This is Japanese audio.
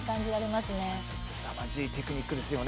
すさまじいテクニックですよね。